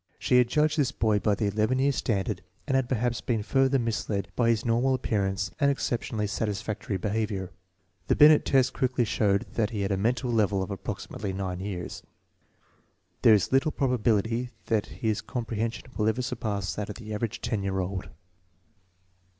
She had judged this boy by the 11 year standard and had perhaps been further misled by his normal appearance and exceptionally satisfactory behavior. The Binet test quickly showed that lie had a mental level of approximately 9 years. There is little probability that his comprehension will ever surpass that of the average 10 year old.